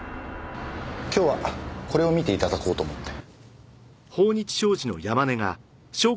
今日はこれを見て頂こうと思って。